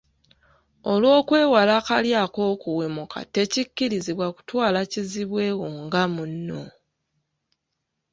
Olw’okwewala kali ak’okuwemuka tekikkirizibwa kutwala kizibwe wo nga munno.